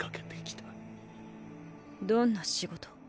どんな仕事？